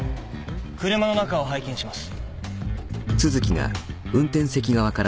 車の中を拝見します。